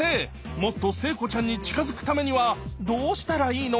もっと聖子ちゃんに近づくためにはどうしたらいいの？